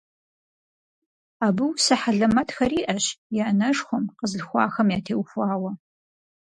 Абы усэ хьэлэмэтхэр иӀэщ и анэшхуэм, къэзылъхуахэм ятеухуауэ.